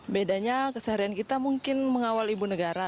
bedanya keseharian kita mungkin mengawal ibu negara